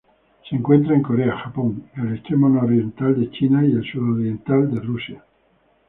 Se encuentra en Corea, Japón, el extremo nororiental de China y el sudoriental Rusia.